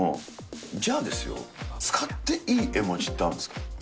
じゃあですよ、使っていい絵文字ってあるんですか？